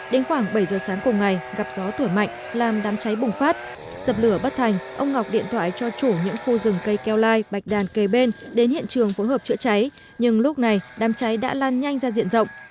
đến khoảng bảy giờ sáng cùng ngày gặp gió thổi mạnh làm đám cháy bùng phát dập lửa bất thành ông ngọc điện thoại cho chủ những khu rừng cây keo lai bạch đàn kề bên đến hiện trường phối hợp chữa cháy nhưng lúc này đám cháy đã lan nhanh ra diện rộng